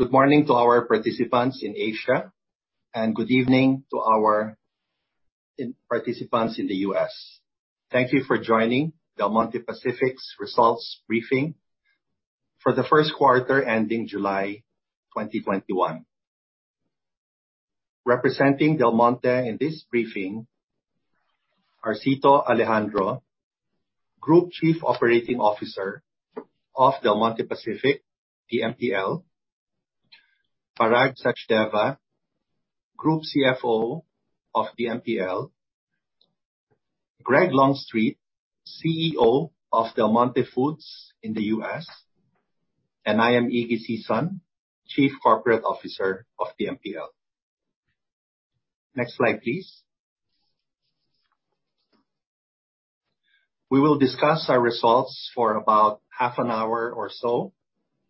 Good morning to our participants in Asia, and good evening to our participants in the U.S. Thank you for joining Del Monte Pacific Limited's Results Briefing for the First Quarter ending July 2021. Representing Del Monte Pacific Limited in this briefing are Cito Alejandro, Group Chief Operating Officer of Del Monte Pacific Limited, DMPL; Parag Sachdeva, Group CFO of DMPL; Greg Longstreet, CEO of Del Monte Foods, Inc., and I am Ignacio Sison, Chief Corporate Officer of DMPL. Next slide, please. We will discuss our results for about half an hour or so,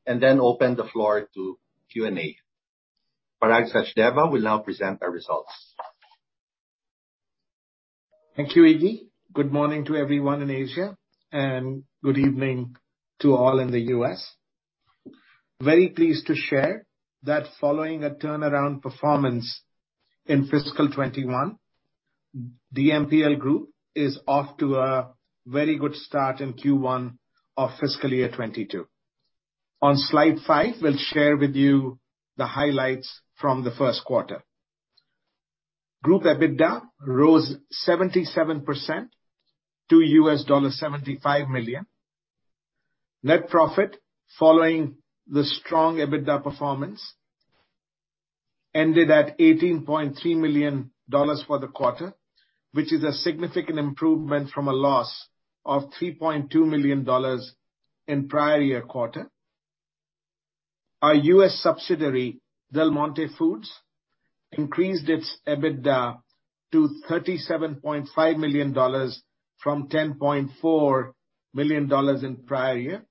and then open the floor to Q&A. Parag Sachdeva will now present our results. Thank you, Iggy. Good morning to everyone in Asia, and good evening to all in the U.S. Very pleased to share that following a turnaround performance in fiscal 2021, DMPL Group is off to a very good start in Q1 of fiscal year 2022. On slide 5, we'll share with you the highlights from the first quarter. Group EBITDA rose 77% to $75 million. Net profit, following the strong EBITDA performance, ended at $18.3 million for the quarter, which is a significant improvement from a loss of $3.2 million in prior year quarter. Our U.S. subsidiary, Del Monte Foods, increased its EBITDA to $37.5 million from $10.4 million in prior year,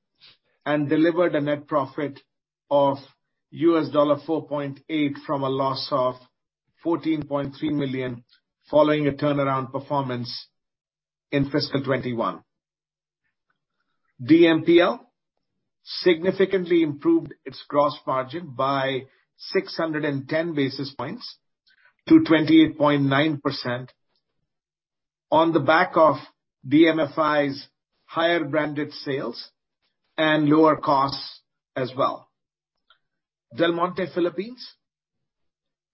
and delivered a net profit of $4.8 million from a loss of $14.3 million, following a turnaround performance in fiscal 2021. DMPL significantly improved its gross margin by 610 basis points to 28.9% on the back of DMFI's higher branded sales and lower costs as well. Del Monte Philippines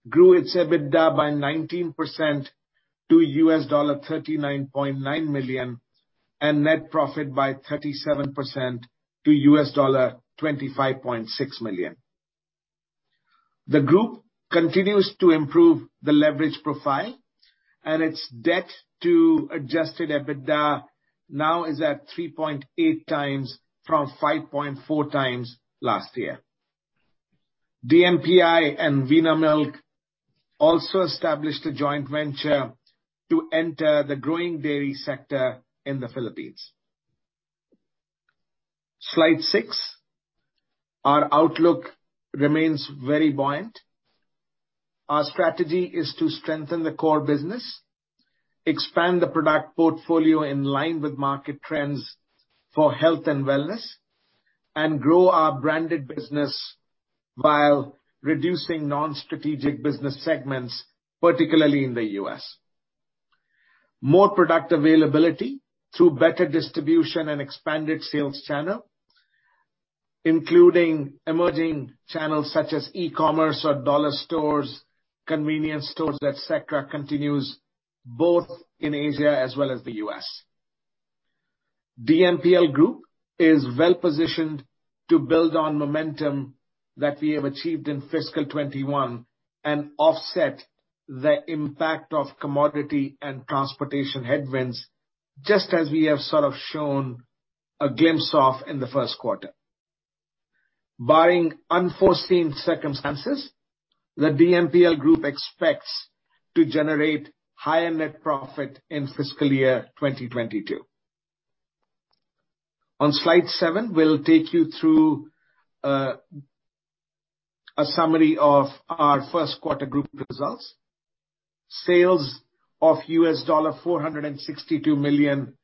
grew its EBITDA by 19% to $39.9 million, and net profit by 37% to $25.6 million. The group continues to improve the leverage profile. Its debt to adjusted EBITDA now is at 3.8x from 5.4x last year. DMPI and Vinamilk also established a joint venture to enter the growing dairy sector in the Philippines. Slide 6. Our outlook remains very buoyant. Our strategy is to strengthen the core business, expand the product portfolio in line with market trends for health and wellness, and grow our branded business while reducing non-strategic business segments, particularly in the U.S. More product availability through better distribution and expanded sales channel, including emerging channels such as e-commerce or dollar stores, convenience stores, et cetera, continues both in Asia as well as the U.S. DMPL Group is well-positioned to build on momentum that we have achieved in fiscal 2021 and offset the impact of commodity and transportation headwinds, just as we have sort of shown a glimpse of in the first quarter. Barring unforeseen circumstances, the DMPL Group expects to generate higher net profit in fiscal year 2022. On slide 7, we'll take you through a summary of our first quarter group results. Sales of $462 million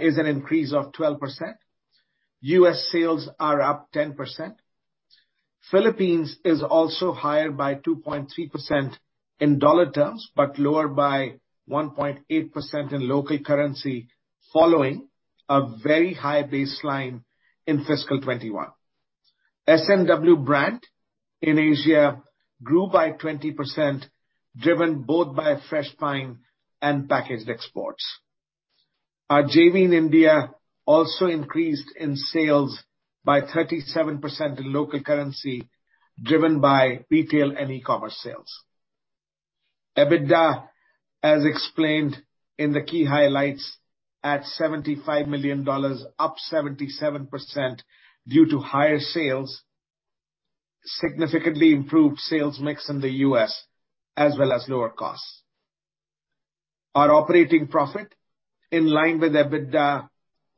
is an increase of 12%. U.S. sales are up 10%. Philippines is also higher by 2.3% in dollar terms, but lower by 1.8% in local currency following a very high baseline in fiscal 2021. S&W brand in Asia grew by 20%, driven both by fresh pine and packaged exports. Our JV in India also increased in sales by 37% in local currency, driven by retail and e-commerce sales. EBITDA, as explained in the key highlights, at $75 million, up 77% due to higher sales, significantly improved sales mix in the U.S., as well as lower costs. Our operating profit, in line with EBITDA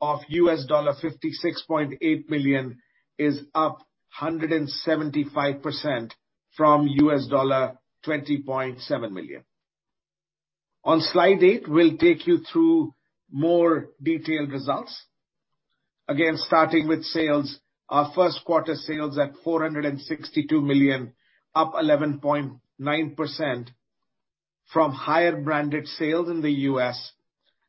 of $56.8 million, is up 175% from $20.7 million. On slide 8, we'll take you through more detailed results. Again, starting with sales. Our first quarter sales at $462 million, up 11.9% from higher branded sales in the U.S.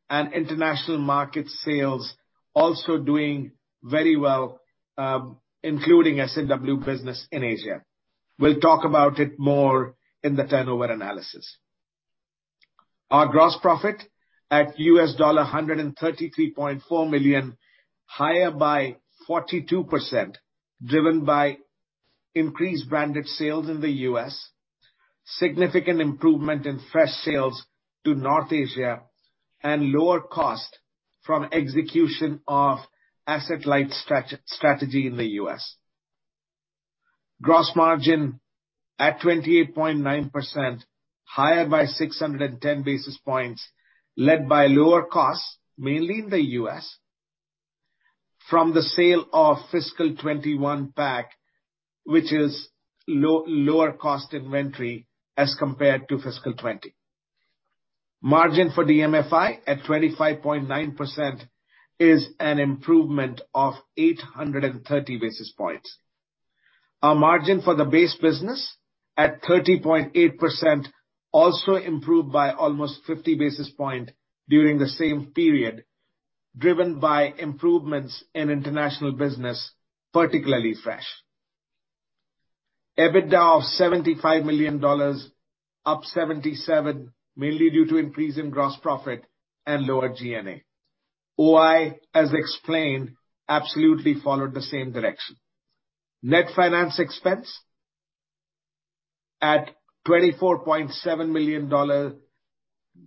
and international market sales also doing very well, including S&W business in Asia. We'll talk about it more in the turnover analysis. Our gross profit at $133.4 million, higher by 42%, driven by increased branded sales in the U.S., significant improvement in fresh sales to North Asia, and lower cost from execution of asset-light strategy in the U.S. Gross margin at 28.9%, higher by 610 basis points, led by lower costs, mainly in the U.S., from the sale of fiscal 2021 pack, which is lower cost inventory as compared to fiscal 2020. Margin for DMFI at 25.9% is an improvement of 830 basis points. Our margin for the base business at 30.8% also improved by almost 50 basis points during the same period, driven by improvements in international business, particularly fresh. EBITDA of $75 million, up 77%, mainly due to increase in gross profit and lower G&A. OI, as explained, absolutely followed the same direction. Net finance expense at $24.7 million,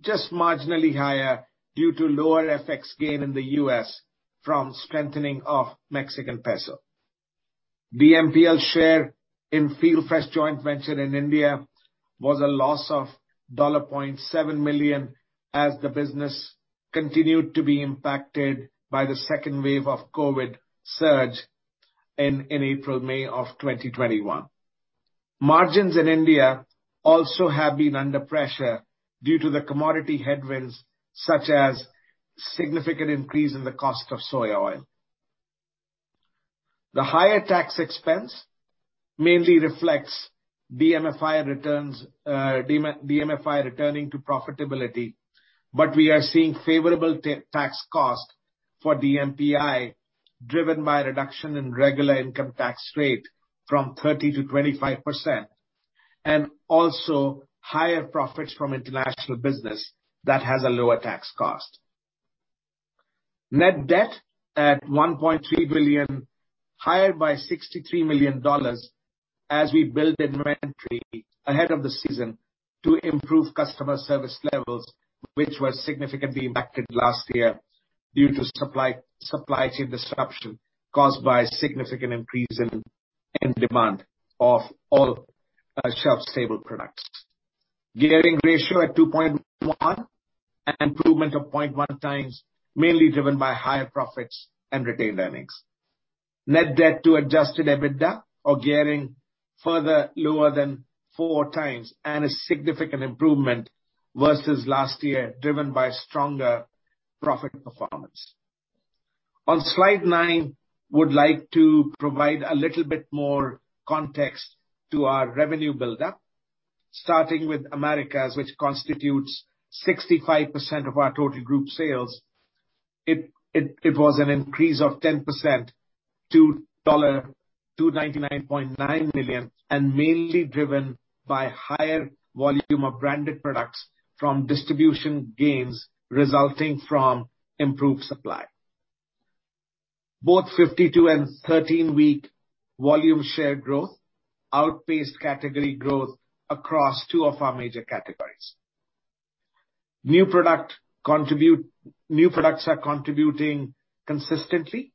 just marginally higher due to lower FX gain in the U.S. from strengthening of Mexican peso. DMPL share in FieldFresh joint venture in India was a loss of $0.7 million as the business continued to be impacted by the second wave of COVID surge in April, May of 2021. Margins in India also have been under pressure due to the commodity headwinds, such as significant increase in the cost of soy oil. The higher tax expense mainly reflects DMFI returning to profitability, but we are seeing favorable tax cost for DMPI, driven by reduction in regular income tax rate from 30%-25%, and also higher profits from international business that has a lower tax cost. Net debt at $1.3 billion, higher by $63 million as we build inventory ahead of the season to improve customer service levels, which were significantly impacted last year due to supply chain disruption caused by a significant increase in demand of all shelf-stable products. Gearing ratio at 2.1, an improvement of 0.1 times, mainly driven by higher profits and retained earnings. Net debt to adjusted EBITDA or gearing further lower than four times and a significant improvement versus last year, driven by stronger profit performance. On slide nine, would like to provide a little bit more context to our revenue buildup. Starting with Americas, which constitutes 65% of our total group sales, it was an increase of 10% to $299.9 million and mainly driven by higher volume of branded products from distribution gains resulting from improved supply. Both 52 and 13-week volume share growth outpaced category growth across 2 of our major categories. New products are contributing consistently,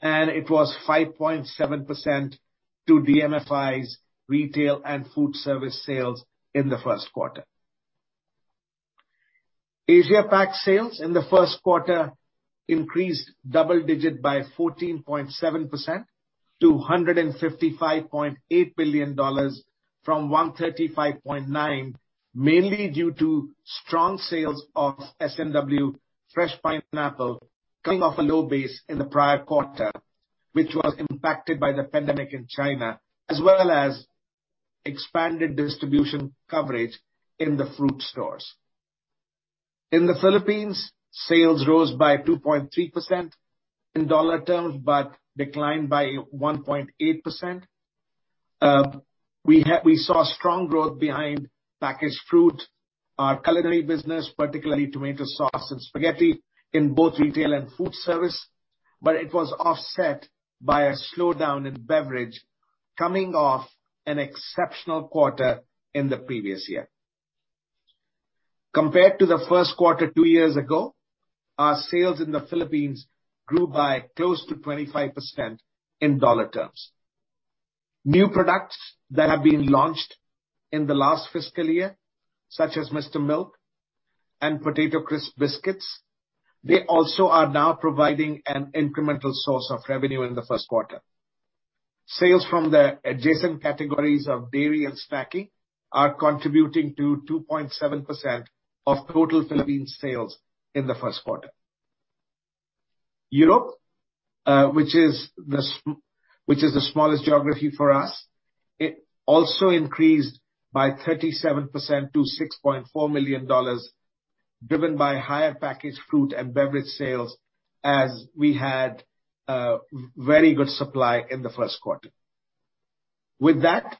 and it was 5.7% to DMFI's retail and food service sales in the first quarter. Asia-Pac sales in the first quarter increased double-digit by 14.7% to $155.8 billion from $135.9 billion, mainly due to strong sales of S&W fresh pineapple coming off a low base in the prior quarter, which was impacted by the pandemic in China, as well as expanded distribution coverage in the fruit stores. In the Philippines, sales rose by 2.3% in dollar terms, but declined by 1.8%. We saw strong growth behind packaged fruit, our culinary business, particularly tomato sauce and spaghetti in both retail and food service, but it was offset by a slowdown in beverage coming off an exceptional quarter in the previous year. Compared to the first quarter 2 years ago, our sales in the Philippines grew by close to 25% in dollar terms. New products that have been launched in the last fiscal year, such as Mr. Milk and potato crisp biscuits, they also are now providing an incremental source of revenue in the 1st quarter. Sales from the adjacent categories of dairy and snacking are contributing to 2.7% of total Philippines sales in the first quarter. Europe, which is the smallest geography for us, it also increased by 37% to $6.4 million, driven by higher packaged fruit and beverage sales as we had very good supply in the 1st quarter. With that,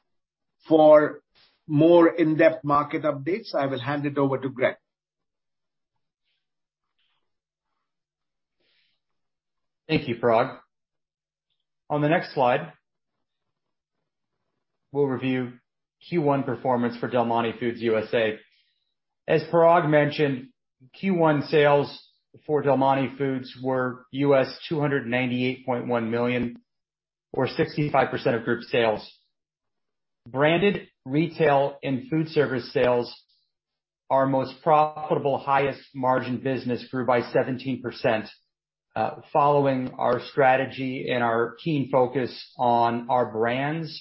for more in-depth market updates, I will hand it over to Greg. Thank you, Parag. On the next slide, we'll review Q1 performance for Del Monte Foods, Inc. As Parag mentioned, Q1 sales for Del Monte Foods were $298.1 million, or 65% of group sales. Branded retail and food service sales, our most profitable, highest margin business, grew by 17%, following our strategy and our keen focus on our brands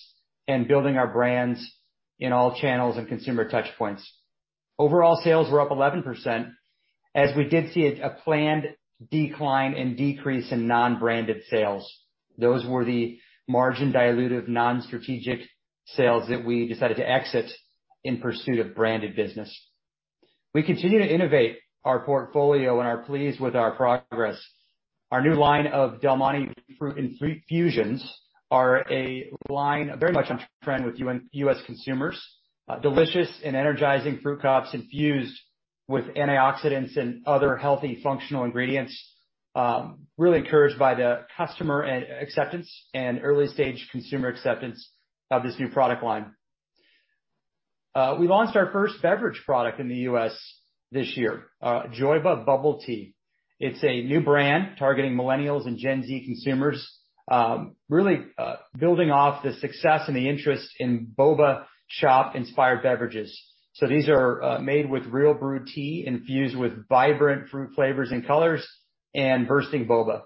and building our brands in all channels and consumer touch points. Overall sales were up 11%, as we did see a planned decline and decrease in non-branded sales. Those were the margin dilutive non-strategic sales that we decided to exit in pursuit of branded business. We continue to innovate our portfolio and are pleased with our progress. Our new line of Del Monte Fruit Infusions are a line very much on trend with U.S. consumers, delicious and energizing fruit cups infused with antioxidants and other healthy functional ingredients. Really encouraged by the customer acceptance and early-stage consumer acceptance of this new product line. We launched our first beverage product in the U.S. this year, JOYBA Bubble Tea. It's a new brand targeting Millennials and Gen Z consumers, really building off the success and the interest in boba shop-inspired beverages. These are made with real brewed tea, infused with vibrant fruit flavors and colors and bursting boba.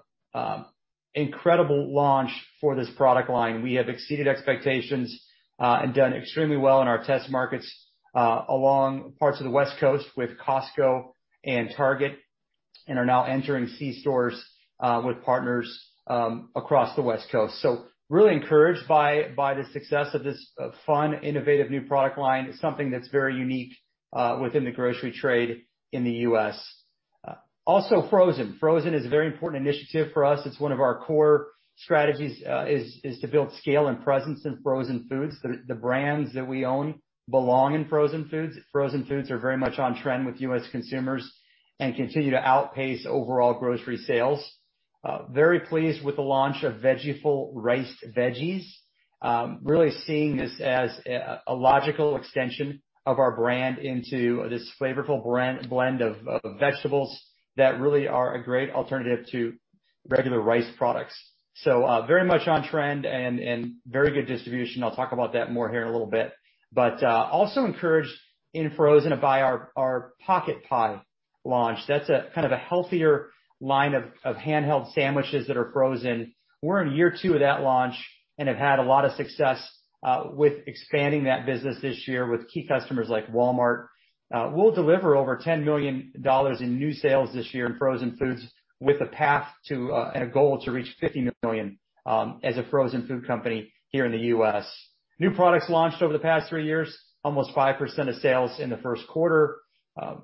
Incredible launch for this product line. We have exceeded expectations, and done extremely well in our test markets along parts of the West Coast with Costco and Target, and are now entering C stores with partners across the West Coast. Really encouraged by the success of this fun, innovative new product line. It's something that's very unique within the grocery trade in the U.S. Also frozen. Frozen is a very important initiative for us. It's one of our core strategies, is to build scale and presence in frozen foods. The brands that we own belong in frozen foods. Frozen foods are very much on trend with U.S. consumers and continue to outpace overall grocery sales. Very pleased with the launch of Veggieful Riced Veggies. Really seeing this as a logical extension of our brand into this flavorful blend of vegetables that really are a great alternative to regular rice products. Very much on trend and very good distribution. I'll talk about that more here in a little bit. Also encouraged in frozen by our Pocket Pie launch. That's a healthier line of handheld sandwiches that are frozen. We're in year 2 of that launch and have had a lot of success with expanding that business this year with key customers like Walmart. We'll deliver over $10 million in new sales this year in frozen foods with a path to and a goal to reach $50 million as a frozen food company here in the U.S. New products launched over the past 3 years, almost 5% of sales in the first quarter.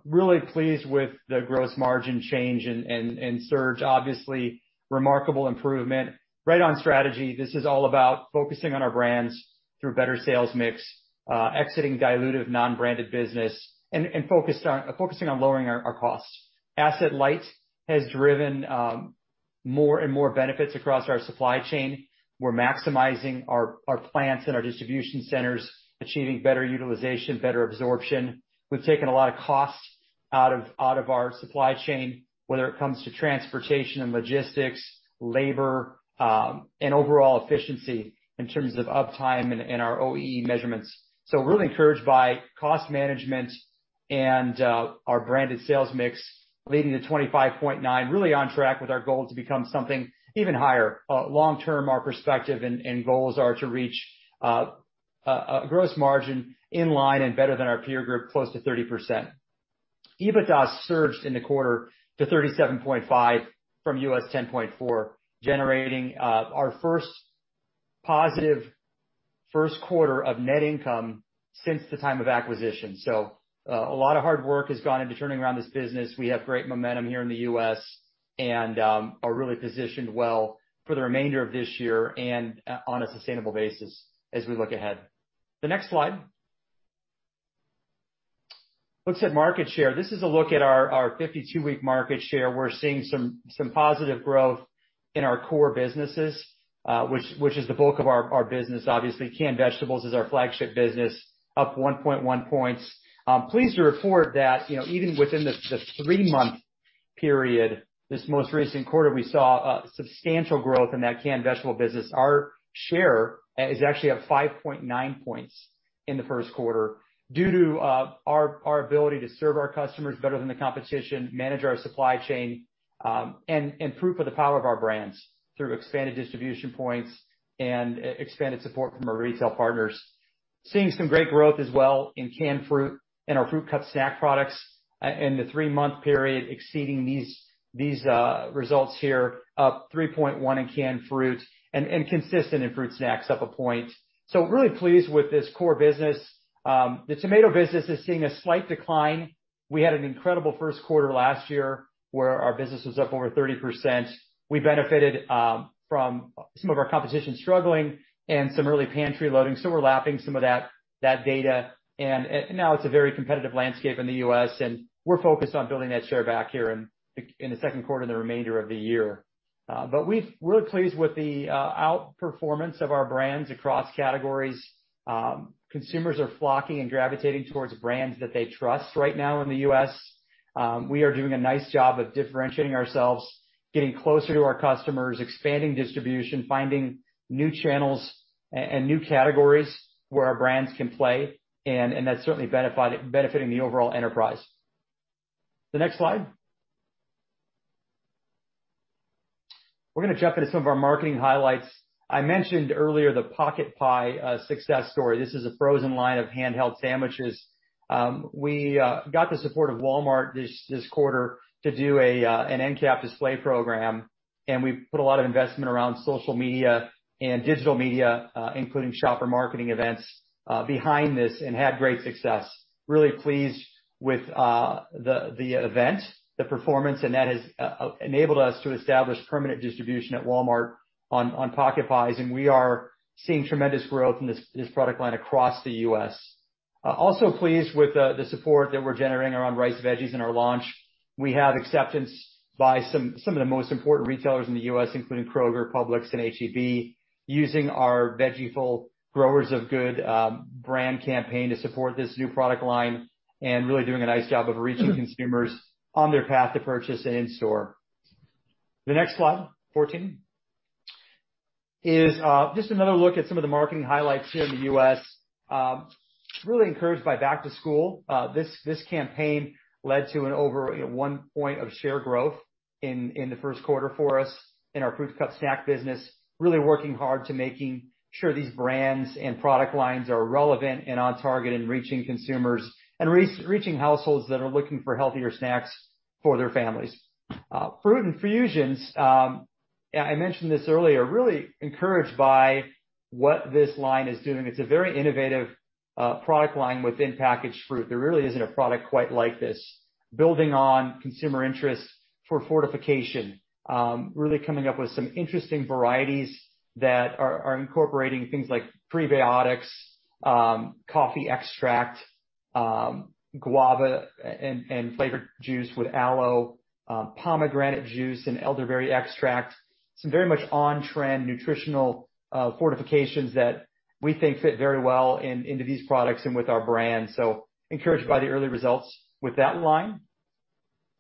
Really pleased with the gross margin change and surge. Obviously, remarkable improvement, right on strategy. This is all about focusing on our brands through better sales mix, exiting dilutive non-branded business and focusing on lowering our costs. Asset light has driven more and more benefits across our supply chain. We're maximizing our plants and our distribution centers, achieving better utilization, better absorption. We've taken a lot of costs out of our supply chain, whether it comes to transportation and logistics, labor, and overall efficiency in terms of uptime and our OEE measurements. Really encouraged by cost management and our branded sales mix leading to 25.9%. Really on track with our goal to become something even higher. Long term, our perspective and goals are to reach a gross margin in line and better than our peer group, close to 30%. EBITDA surged in the quarter to $37.5 from $10.4, generating our 1st positive 1st quarter of net income since the time of acquisition. A lot of hard work has gone into turning around this business. We have great momentum here in the U.S. and are really positioned well for the remainder of this year and on a sustainable basis as we look ahead. The next slide. Looks at market share. This is a look at our 52-week market share. We're seeing some positive growth in our core businesses, which is the bulk of our business. Obviously, canned vegetables is our flagship business, up 1.1 points. Pleased to report that even within the 3-month period, this most recent quarter, we saw substantial growth in that canned vegetable business. Our share is actually up 5.9 points in the first quarter due to our ability to serve our customers better than the competition, manage our supply chain and proof of the power of our brands through expanded distribution points and expanded support from our retail partners. Seeing some great growth as well in canned fruit and our fruit cup snack products in the 3-month period exceeding these results here, up 3.1% in canned fruit and consistent in fruit snacks up 1 point. Really pleased with this core business. The tomato business is seeing a slight decline. We had an incredible first quarter last year, where our business was up over 30%. We benefited from some of our competition struggling and some early pantry loading, so we're lapping some of that data. Now it's a very competitive landscape in the U.S., and we're focused on building that share back here in the second quarter and the remainder of the year. We're pleased with the outperformance of our brands across categories. Consumers are flocking and gravitating towards brands that they trust right now in the U.S. We are doing a nice job of differentiating ourselves, getting closer to our customers, expanding distribution, finding new channels and new categories where our brands can play, and that's certainly benefiting the overall enterprise. The next slide. We're going to jump into some of our marketing highlights. I mentioned earlier the Pocket Pie success story. This is a frozen line of handheld sandwiches. We got the support of Walmart this quarter to do an endcap display program, and we put a lot of investment around social media and digital media, including shopper marketing events, behind this and had great success. Really pleased with the event, the performance, and that has enabled us to establish permanent distribution at Walmart on Pocket Pies, and we are seeing tremendous growth in this product line across the U.S. Also pleased with the support that we're generating around Riced Veggies and our launch. We have acceptance by some of the most important retailers in the U.S., including Kroger, Publix, and H-E-B, using our Veggieful Growers of Good brand campaign to support this new product line and really doing a nice job of reaching consumers on their path to purchase and in store. The next slide, 14, is just another look at some of the marketing highlights here in the U.S. Really encouraged by Back to School. This campaign led to an over 1 point of share growth in the first quarter for us in our fruit cup snack business. Really working hard to making sure these brands and product lines are relevant and on target in reaching consumers and reaching households that are looking for healthier snacks for their families. Fruit Infusions, I mentioned this earlier, really encouraged by what this line is doing. It's a very innovative product line within packaged fruit. There really isn't a product quite like this. Building on consumer interest for fortification. Really coming up with some interesting varieties that are incorporating things like prebiotics, coffee extract, guava and flavored juice with aloe, pomegranate juice, and elderberry extracts. Some very much on-trend nutritional fortifications that we think fit very well into these products and with our brand. Encouraged by the early results with that line.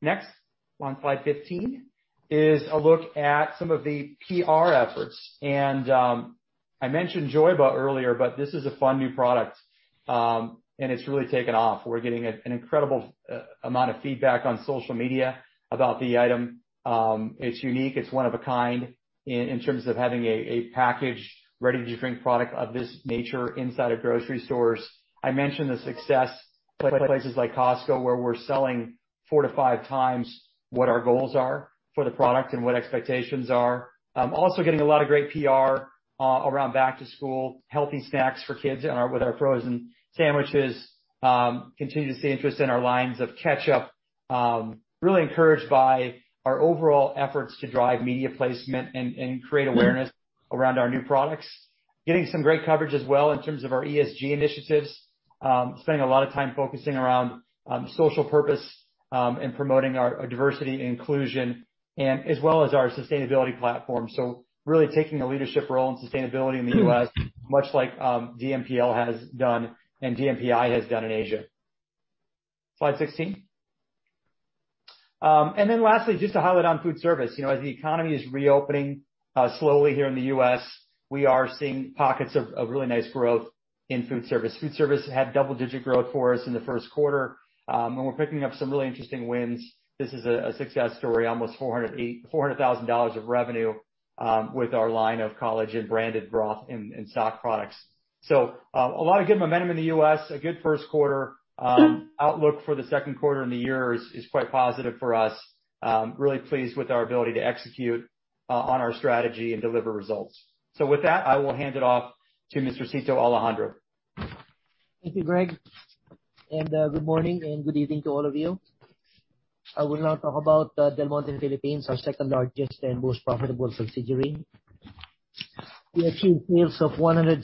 Next, on slide 15, is a look at some of the PR efforts. I mentioned JOYBA earlier, but this is a fun new product, and it's really taken off. We're getting an incredible amount of feedback on social media about the item. It's unique. It's one of a kind in terms of having a packaged, ready-to-drink product of this nature inside of grocery stores. I mentioned the success places like Costco, where we're selling 4-5 times what our goals are for the product and what expectations are. Also getting a lot of great PR around back to school, healthy snacks for kids with our frozen sandwiches. Continue to see interest in our lines of ketchup. Really encouraged by our overall efforts to drive media placement and create awareness around our new products. Getting some great coverage as well in terms of our ESG initiatives. Spending a lot of time focusing around social purpose and promoting our diversity and inclusion, as well as our sustainability platform. Really taking a leadership role in sustainability in the U.S., much like DMPL has done and DMPI has done in Asia. Slide 16. Lastly, just a highlight on food service. As the economy is reopening slowly here in the U.S., we are seeing pockets of really nice growth in food service. Food service had double-digit growth for us in the first quarter, and we're picking up some really interesting wins. This is a success story, almost $400,000 of revenue with our line of College Inn branded broth and stock products. A lot of good momentum in the U.S. A good first quarter. Outlook for the second quarter and the year is quite positive for us. Really pleased with our ability to execute on our strategy and deliver results. With that, I will hand it off to Mr. Luis Alejandro. Thank you, Greg, and good morning and good evening to all of you. I will now talk about Del Monte Philippines, our second largest and most profitable subsidiary. We achieved sales of $176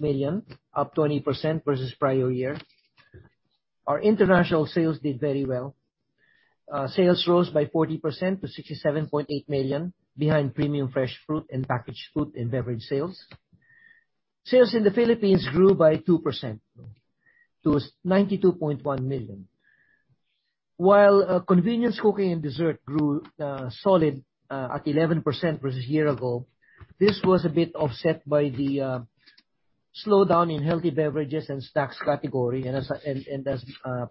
million, up 20% versus prior year. Our international sales did very well. Sales rose by 40% to $67.8 million behind premium fresh fruit and packaged food and beverage sales. Sales in the Philippines grew by 2% to $92.1 million. While convenience, cooking, and dessert grew solid at 11% versus a year ago, this was a bit offset by the slowdown in healthy beverages and snacks category. As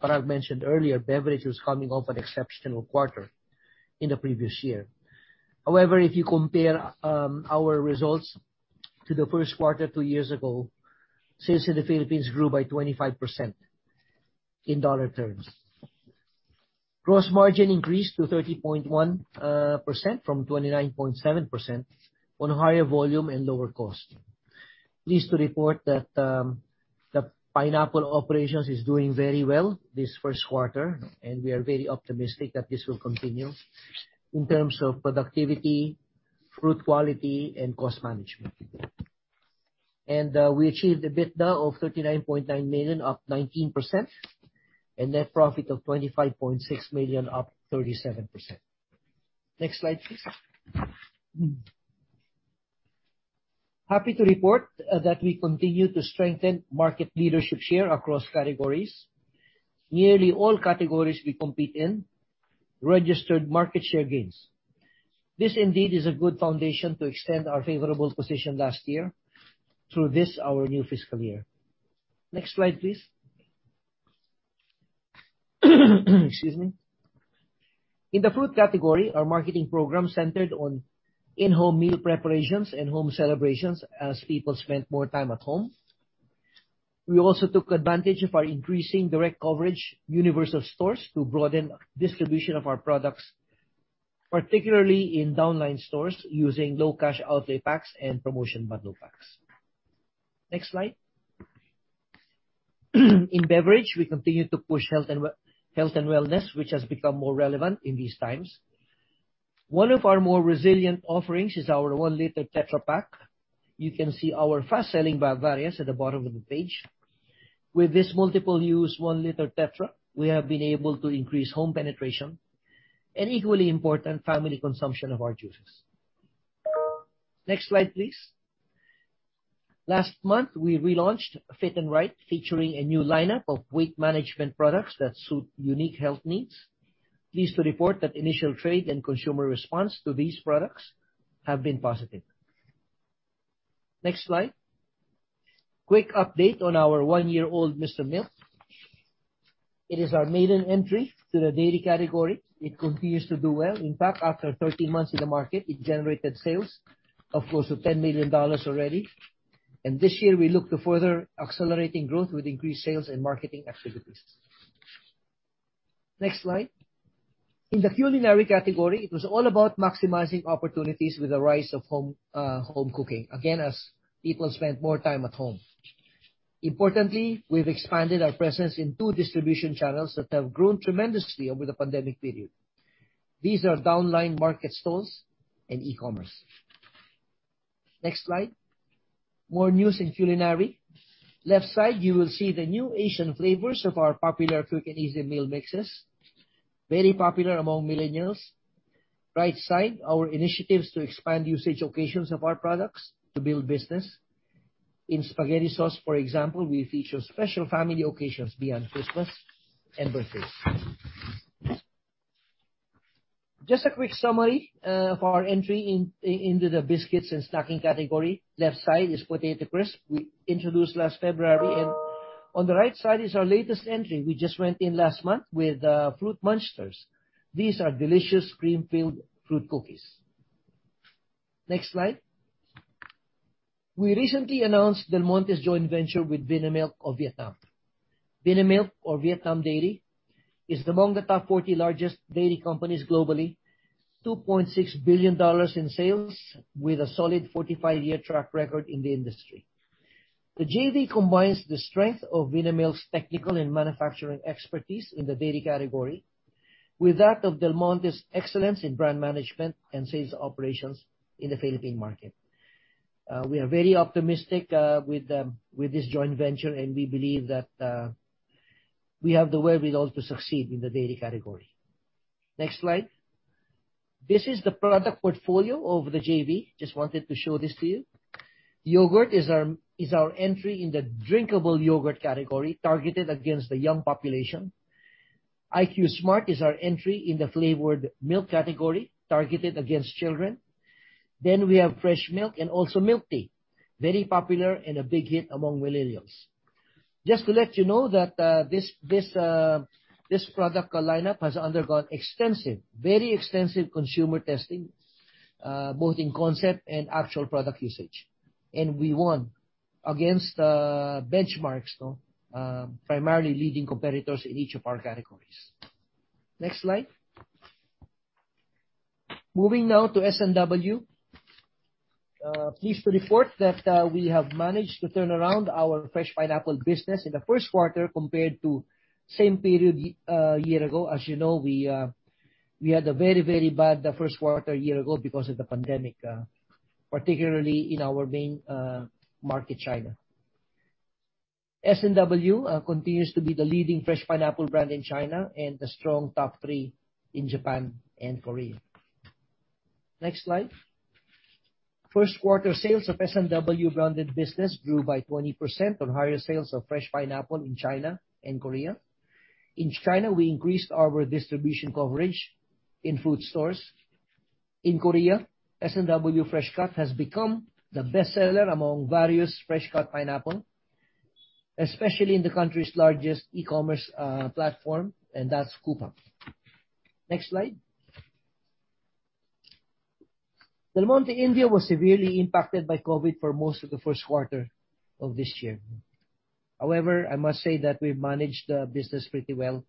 Parag mentioned earlier, beverage was coming off an exceptional quarter in the previous year. However, if you compare our results to the first quarter two years ago, sales in the Philippines grew by 25% in dollar terms. Gross margin increased to 30.1% from 29.7% on higher volume and lower cost. Pleased to report that the pineapple operations is doing very well this first quarter, and we are very optimistic that this will continue in terms of productivity, fruit quality, and cost management. We achieved EBITDA of $39.9 million, up 19%, and net profit of $25.6 million, up 37%. Next slide, please. Happy to report that we continue to strengthen market leadership share across categories. Nearly all categories we compete in registered market share gains. This indeed is a good foundation to extend our favorable position last year through this, our new fiscal year. Next slide, please. Excuse me. In the fruit category, our marketing program centered on in-home meal preparations and home celebrations as people spent more time at home. We also took advantage of our increasing direct coverage universal stores to broaden distribution of our products, particularly in downline stores using low cash outlay packs and promotion bundle packs. Next slide. In beverage, we continue to push health and wellness, which has become more relevant in these times. One of our more resilient offerings is our 1-liter tetra pak. You can see our fast-selling Bavaria's at the bottom of the page. With this multiple-use 1-liter tetra, we have been able to increase home penetration and, equally important, family consumption of our juices. Next slide, please. Last month, we relaunched Fit 'n Right, featuring a new lineup of weight management products that suit unique health needs. Pleased to report that initial trade and consumer response to these products have been positive. Next slide. Quick update on our 1-year-old Mr. Milk. It is our maiden entry to the dairy category. It continues to do well. After 13 months in the market, it generated sales of close to $10 million already. This year we look to further accelerating growth with increased sales and marketing activities. Next slide. In the culinary category, it was all about maximizing opportunities with the rise of home cooking, again, as people spent more time at home. Importantly, we've expanded our presence in 2 distribution channels that have grown tremendously over the pandemic period. These are downline market stores and e-commerce. Next slide. More news in culinary. Left side, you will see the new Asian flavors of our popular Quick 'n Easy meal mixes, very popular among millennials. Right side, our initiatives to expand usage occasions of our products to build business. In spaghetti sauce, for example, we feature special family occasions beyond Christmas and birthdays. Just a quick summary of our entry into the biscuits and snacking category. Left side is potato crisp we introduced last February, and on the right side is our latest entry. We just went in last month with Fruit Munchers. These are delicious cream-filled fruit cookies. Next slide. We recently announced Del Monte's joint venture with Vinamilk of Vietnam. Vinamilk, or Vietnam Dairy, is among the top 40 largest dairy companies globally, $2.6 billion in sales with a solid 45-year track record in the industry. The JV combines the strength of Vinamilk's technical and manufacturing expertise in the dairy category with that of Del Monte's excellence in brand management and sales operations in the Philippine market. We are very optimistic with this joint venture, we believe that we have the wherewithal to succeed in the dairy category. Next slide. This is the product portfolio of the JV. Just wanted to show this to you. Yogurt is our entry in the drinkable yogurt category targeted against the young population. IQ Smart is our entry in the flavored milk category targeted against children. We have fresh milk and also milk tea, very popular and a big hit among millennials. Just to let you know that this product lineup has undergone extensive, very extensive consumer testing, both in concept and actual product usage. We won against benchmarks, primarily leading competitors in each of our categories. Next slide. Moving now to S&W. Pleased to report that we have managed to turn around our fresh pineapple business in the first quarter compared to same period a year ago. As you know, we had a very bad first quarter a year ago because of the pandemic, particularly in our main market, China. S&W continues to be the leading fresh pineapple brand in China and a strong top three in Japan and Korea. Next slide. First quarter sales of S&W branded business grew by 20% on higher sales of fresh pineapple in China and Korea. In China, we increased our distribution coverage in food stores. In Korea, S&W Fresh Cut has become the best seller among various fresh cut pineapple, especially in the country's largest e-commerce platform, Coupang. Next slide. Del Monte India was severely impacted by COVID-19 for most of the first quarter of this year. I must say that we've managed the business pretty well,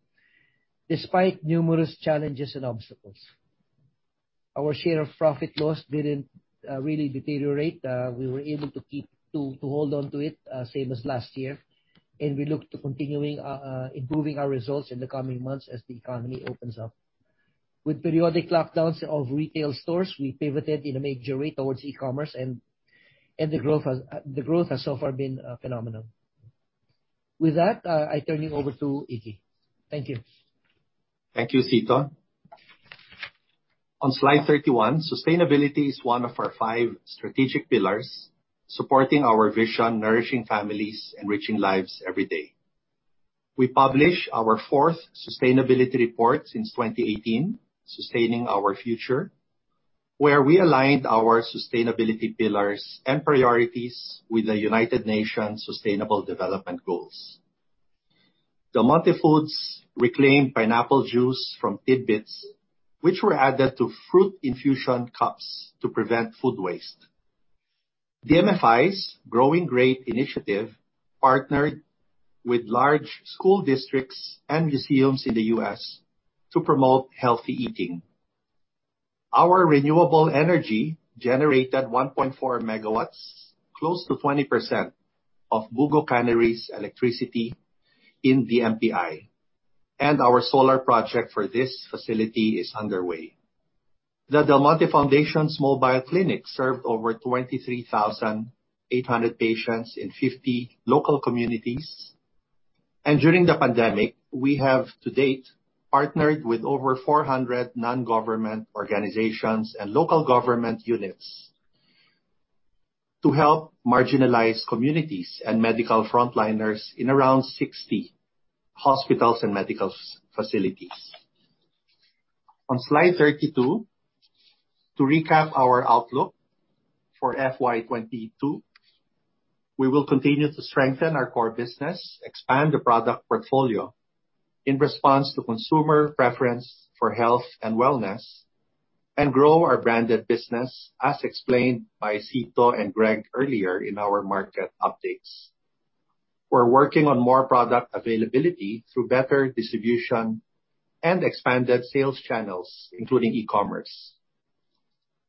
despite numerous challenges and obstacles. Our share of profit loss didn't really deteriorate. We were able to hold onto it, same as last year, and we look to continuing improving our results in the coming months as the economy opens up. With periodic lockdowns of retail stores, we pivoted in a major way towards e-commerce, and the growth has so far been phenomenal. With that, I turn you over to Iggy. Thank you. Thank you, Cito. On slide 31, sustainability is one of our 5 strategic pillars supporting our vision, nourishing families, enriching lives every day. We publish our 4th sustainability report since 2018, Sustaining Our Future, where we aligned our sustainability pillars and priorities with the United Nations Sustainable Development Goals. Del Monte Foods reclaimed pineapple juice from Tidbits, which were added to Fruit Infusions cups to prevent food waste. DMFI's GrowingGreat initiative partnered with large school districts and museums in the U.S. to promote healthy eating. Our renewable energy generated 1.4 MW, close to 20% of Bugo Cannery's electricity in DMPI, and our solar project for this facility is underway. The Del Monte Foundation Small Bio clinic served over 23,800 patients in 50 local communities. During the pandemic, we have to date, partnered with over 400 non-government organizations and local government units to help marginalized communities and medical frontliners in around 60 hospitals and medical facilities. On slide 32, to recap our outlook for FY 2022, we will continue to strengthen our core business, expand the product portfolio in response to consumer preference for health and wellness, and grow our branded business, as explained by Cito and Greg earlier in our market updates. We're working on more product availability through better distribution and expanded sales channels, including e-commerce.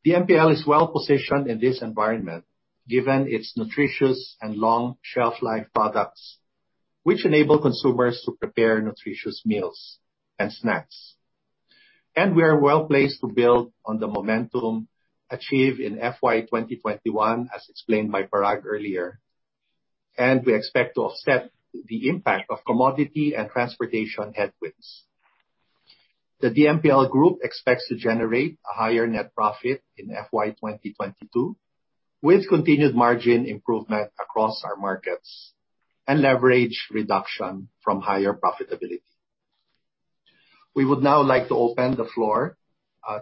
DMPI is well-positioned in this environment given its nutritious and long shelf life products, which enable consumers to prepare nutritious meals and snacks. We are well-placed to build on the momentum achieved in FY 2021, as explained by Parag earlier, and we expect to offset the impact of commodity and transportation headwinds. The DMPI group expects to generate a higher net profit in FY 2022, with continued margin improvement across our markets and leverage reduction from higher profitability. We would now like to open the floor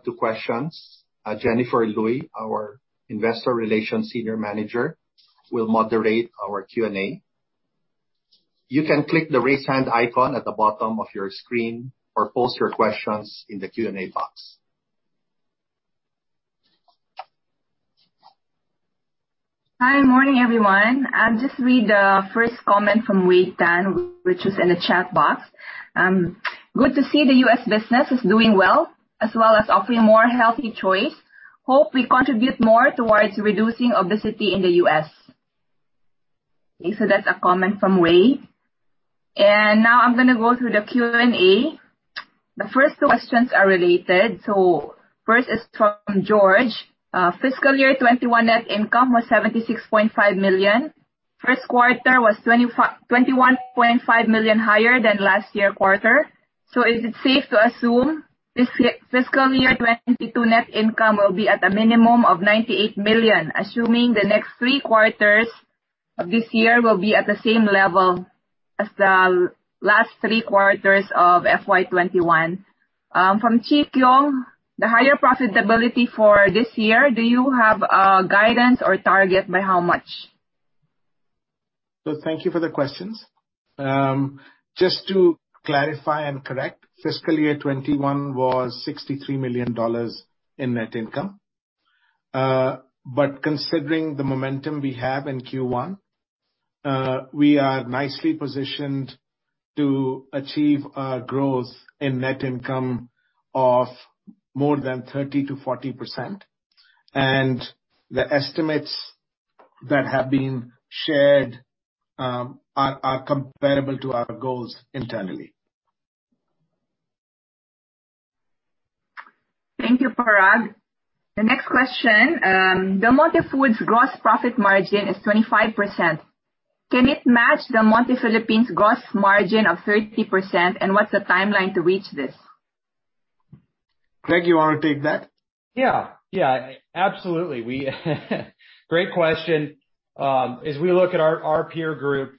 to questions. Jennifer Luy, our Investor Relations Senior Manager, will moderate our Q&A. You can click the raise hand icon at the bottom of your screen, or post your questions in the Q&A box. Hi. Morning, everyone. I'll just read the first comment from Wei Tan, which is in the chat box. "Good to see the U.S. business is doing well, as well as offering more healthy choice. Hope we contribute more towards reducing obesity in the U.S." Okay. That's a comment from Wei. Now I'm going to go through the Q&A. The first questions are related, first is from George. "FY 2021 net income was $76.5 million. First quarter was $21.5 million higher than last year quarter. is it safe to assume this FY 2022 net income will be at a minimum of $98 million, assuming the next three quarters of this year will be at the same level as the last three quarters of FY 2021?" From Chi Kyong, "The higher profitability for this year, do you have a guidance or target, by how much? Thank you for the questions. Just to clarify and correct, fiscal year 2021 was $63 million in net income. Considering the momentum we have in Q1, we are nicely positioned to achieve a growth in net income of more than 30%-40%. The estimates that have been shared are comparable to our goals internally. Thank you, Parag. The next question, Del Monte Foods gross profit margin is 25%. Can it match Del Monte Philippines gross margin of 30%, and what's the timeline to reach this? Greg, you want to take that? Yeah. Absolutely. Great question. As we look at our peer group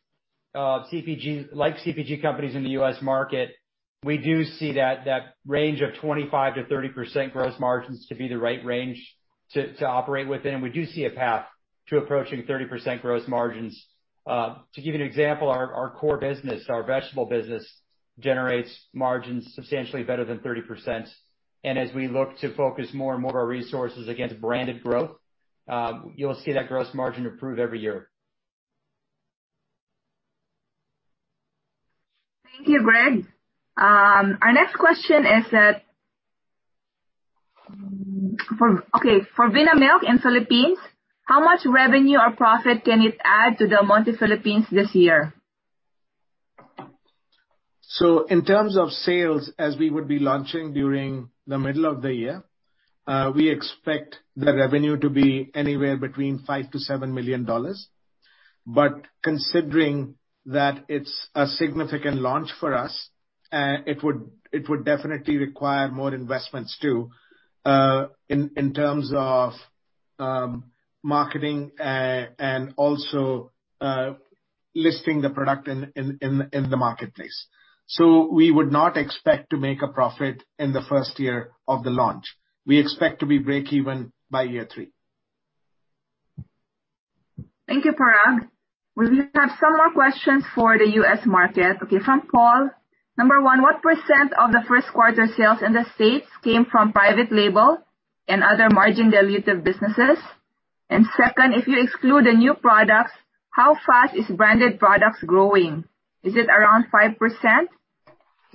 like CPG companies in the U.S. market, we do see that range of 25%-30% gross margins to be the right range to operate within. We do see a path to approaching 30% gross margins. To give you an example, our core business, our vegetable business, generates margins substantially better than 30%. As we look to focus more and more of our resources against branded growth, you'll see that gross margin improve every year. Thank you, Greg. Our next question is, for Vinamilk in Philippines, how much revenue or profit can it add to Del Monte Philippines this year? In terms of sales, as we would be launching during the middle of the year, we expect the revenue to be anywhere between $5 million-$7 million. Considering that it's a significant launch for us, it would definitely require more investments, too, in terms of marketing, and also listing the product in the marketplace. We would not expect to make a profit in the first year of the launch. We expect to be break-even by year 3. Thank you, Parag. We have some more questions for the U.S. market. Okay, from Paul. Number one, what percent of the first quarter sales in the U.S. came from private label and other margin-dilutive businesses? Second, if you exclude the new products, how fast is branded products growing? Is it around 5%?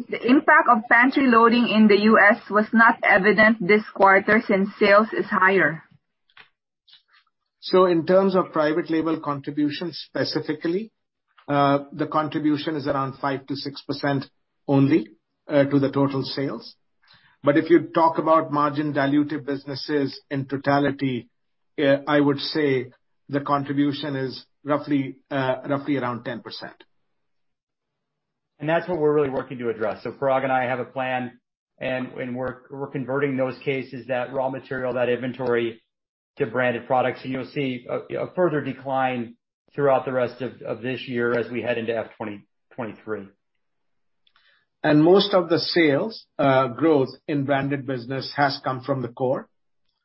The impact of pantry loading in the U.S. was not evident this quarter since sales is higher. In terms of private label contributions, specifically, the contribution is around 5%-6% only to the total sales. If you talk about margin-dilutive businesses in totality, I would say the contribution is roughly around 10%. That's what we're really working to address. Parag and I have a plan, and we're converting those cases, that raw material, that inventory, to branded products. You'll see a further decline throughout the rest of this year as we head into F 2023. [And] most of the sales growth in branded business has come from the core.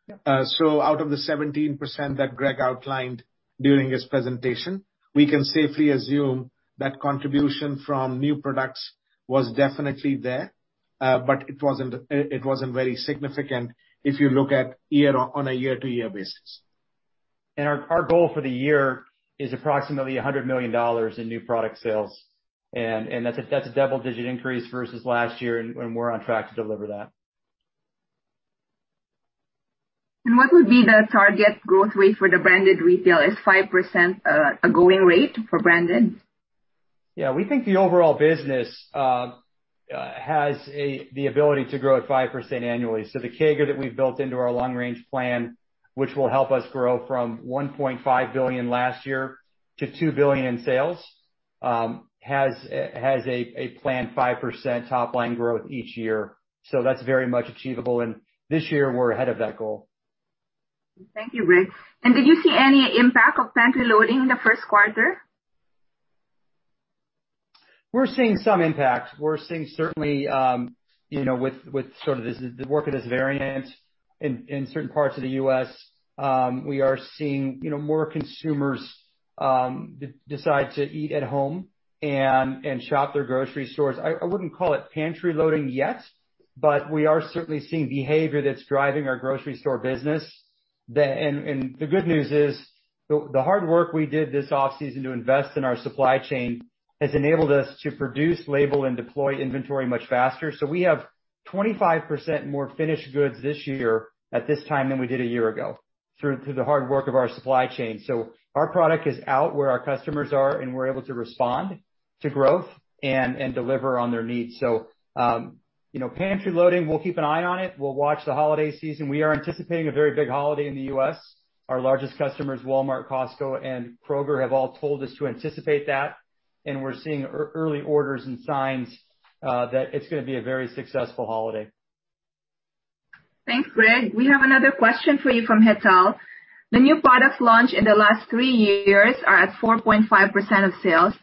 Yep. Out of the 17% that Greg outlined during his presentation, we can safely assume that contribution from new products was definitely there. It wasn't very significant if you look on a year-to-year basis. Our goal for the year is approximately $100 million in new product sales, and that's a double-digit increase versus last year, and we're on track to deliver that. What would be the target growth rate for the branded retail? Is 5% a going rate for branded? We think the overall business has the ability to grow at 5% annually. The CAGR that we've built into our long range plan, which will help us grow from $1.5 billion last year to $2 billion in sales, has a planned 5% top line growth each year. That's very much achievable, and this year we're ahead of that goal. Thank you, Greg. Did you see any impact of pantry loading in the first quarter? We're seeing some impact. We're seeing certainly, with sort of the work of this variant in certain parts of the U.S., we are seeing more consumers decide to eat at home and shop their grocery stores. I wouldn't call it pantry loading yet. [But] we are certainly seeing behavior that's driving our grocery store business. The good news is, the hard work we did this off-season to invest in our supply chain has enabled us to produce, label, and deploy inventory much faster. We have 25% more finished goods this year at this time than we did a year ago through the hard work of our supply chain. Our product is out where our customers are, and we're able to respond to growth and deliver on their needs. Pantry loading, we'll keep an eye on it. We'll watch the holiday season. We are anticipating a very big holiday in the U.S. Our largest customers, Walmart, Costco, and Kroger, have all told us to anticipate that, and we're seeing early orders and signs that it's gonna be a very successful holiday. Thanks, Greg. We have another question for you from Hetal. The new products launched in the last 3 years are at 4.5% of sales.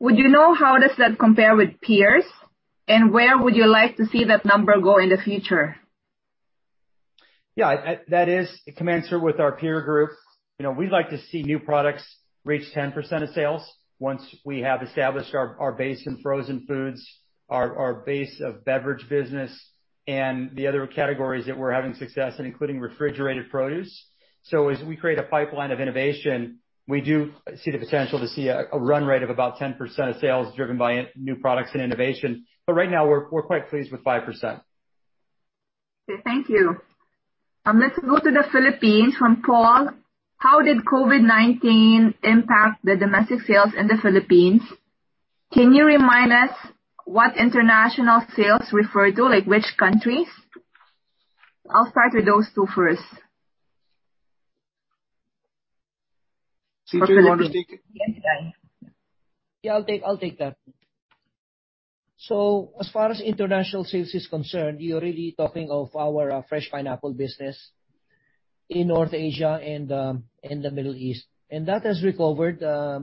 Would you know how does that compare with peers, and where would you like to see that number go in the future? Yeah, that is commensurate with our peer group. We'd like to see new products reach 10% of sales once we have established our base in frozen foods, our base of beverage business, and the other categories that we're having success in, including refrigerated produce. As we create a pipeline of innovation, we do see the potential to see a run rate of about 10% of sales driven by new products and innovation. Right now we're quite pleased with 5%. Okay, thank you. Let's go to the Philippines, from Paul. How did COVID-19 impact the domestic sales in the Philippines? Can you remind us what international sales refer to, like which countries? I'll start with those two first. Do you want to take it? Yes. I'll take that. As far as international sales is concerned, you're really talking of our fresh pineapple business in North Asia and the Middle East. That has recovered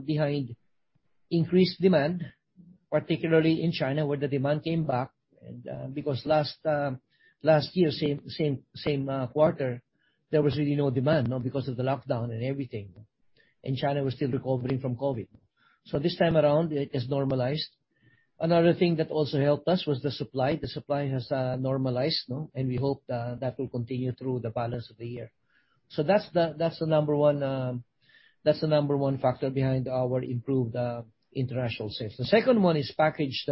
behind increased demand, particularly in China, where the demand came back, because last year, same quarter, there was really no demand because of the lockdown and everything. [And] China was still recovering from COVID. This time around, it has normalized. Another thing that also helped us was the supply. The supply has normalized. We hope that will continue through the balance of the year. That's the number one factor behind our improved international sales. The second one is packaged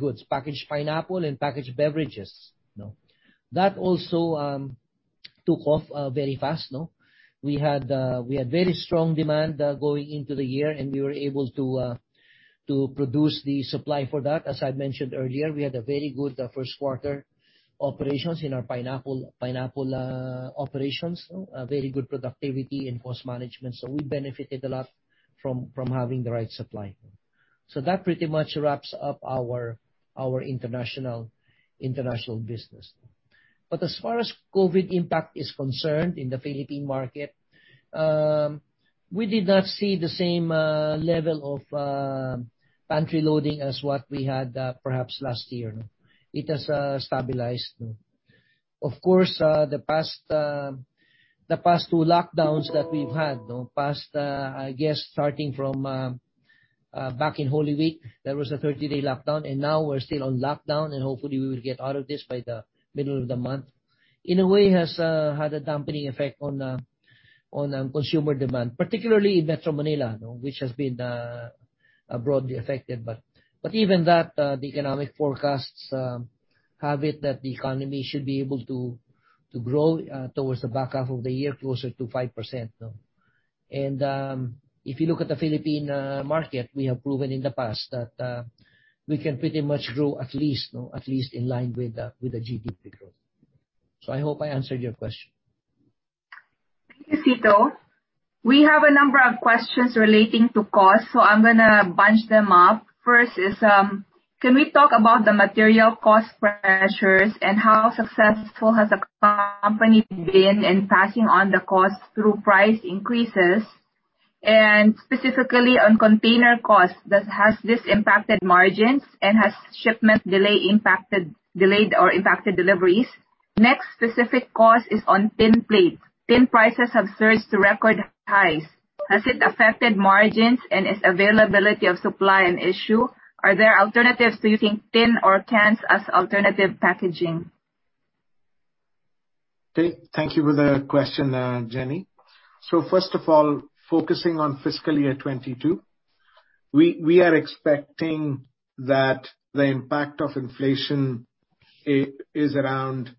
goods, packaged pineapple and packaged beverages. That also took off very fast. We had very strong demand going into the year, and we were able to produce the supply for that. As I've mentioned earlier, we had a very good first quarter operations in our pineapple operations, a very good productivity and cost management. We benefited a lot from having the right supply. That pretty much wraps up our international business. As far as COVID impact is concerned in the Philippine market, we did not see the same level of pantry loading as what we had perhaps last year. It has stabilized. Of course, the past two lockdowns that we've had, past, I guess starting from back in Holy Week, there was a 30-day lockdown, and now we're still on lockdown, and hopefully we will get out of this by the middle of the month, in a way has had a dampening effect on consumer demand, particularly in Metro Manila, which has been broadly affected. Even that, the economic forecasts have it that the economy should be able to grow towards the back half of the year, closer to 5%. If you look at the Philippine market, we have proven in the past that we can pretty much grow at least in line with the GDP growth. I hope I answered your question. Thank you, Cito. We have a number of questions relating to cost, so I'm going to bunch them up. First is, can we talk about the material cost pressures and how successful has the company been in passing on the costs through price increases? Specifically on container costs, has this impacted margins, and has shipment delay impacted delayed or impacted deliveries? Next specific cost is on tin plate. Tin prices have surged to record highs. Has it affected margins, and is availability of supply an issue? Are there alternatives to using tin or cans as alternative packaging? Okay, thank you for the question, Jennifer. First of all, focusing on fiscal year 2022, we are expecting that the impact of inflation is around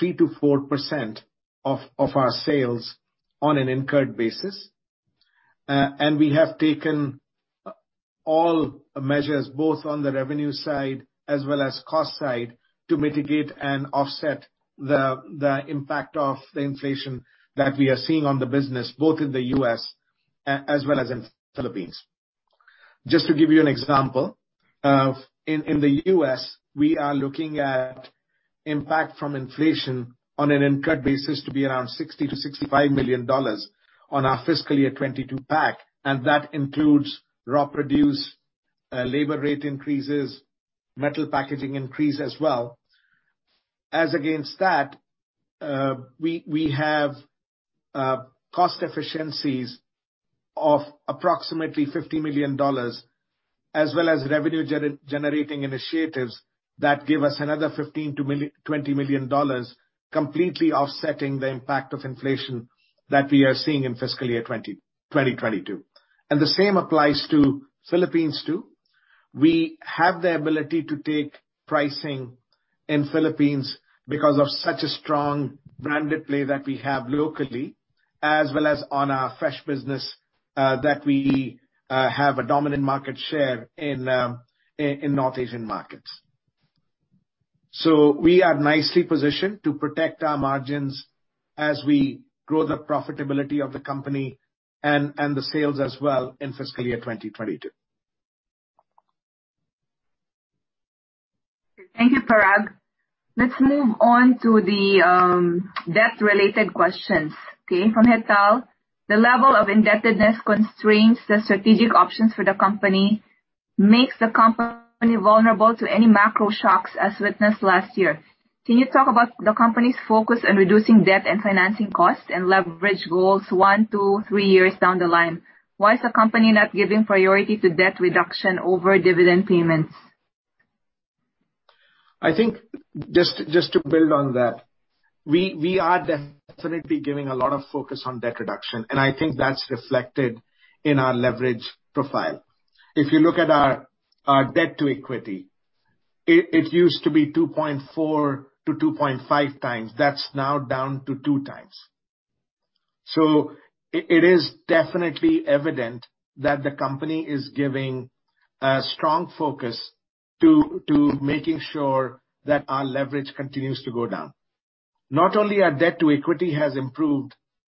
3%-4% of our sales on an incurred basis. We have taken all measures, both on the revenue side as well as cost side, to mitigate and offset the impact of the inflation that we are seeing on the business, both in the U.S. as well as in Philippines. Just to give you an example of, in the U.S., we are looking at impact from inflation on an incurred basis to be around $60 million-$65 million on our fiscal year 2022 pack, and that includes raw produce, labor rate increases, metal packaging increase as well. As against that, we have cost efficiencies of approximately $50 million, as well as revenue-generating initiatives that give us another $15 million-$20 million, completely offsetting the impact of inflation that we are seeing in fiscal year 2022. The same applies to Philippines, too. We have the ability to take pricing in Philippines because of such a strong branded play that we have locally, as well as on our fresh business, that we have a dominant market share in North Asian markets. We are nicely positioned to protect our margins as we grow the profitability of the company and the sales as well in fiscal year 2022. Thank you, Parag. Let's move on to the debt-related questions. Okay. From Hetal. The level of indebtedness constrains the strategic options for the company, makes the company vulnerable to any macro shocks as witnessed last year. Can you talk about the company's focus on reducing debt and financing costs and leverage goals one-three years down the line? Why is the company not giving priority to debt reduction over dividend payments? I think just to build on that, we are definitely giving a lot of focus on debt reduction, and I think that's reflected in our leverage profile. If you look at our debt to equity, it used to be 2.4-2.5 times. That's now down to 2 times. It is definitely evident that the company is giving a strong focus to making sure that our leverage continues to go down. Not only our debt to equity has improved